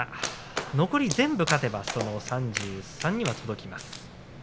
残り全部勝てばその３３には届きます。